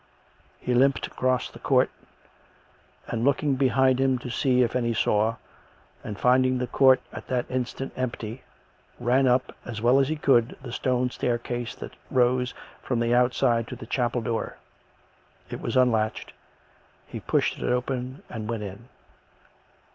He limped across the court, and looking behind him to see if any saw, and finding the court at that instant empty, ran up, as well as he could, the stone staircase that rose from the outside to the chapel door. It was unlatched. He pushed it open and went in.